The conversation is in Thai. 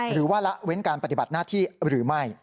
หรือว่าละเว้นการปฏิบัติหน้าที่หรือไม่